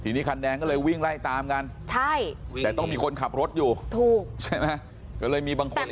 ทีนี้คันแดงก็เลยวิ่งไล่ตามกันใช่แต่ต้องมีคนขับรถอยู่ถูก